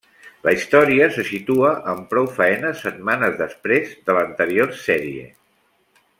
La història se situa amb prou faenes setmanes després de l'anterior sèrie.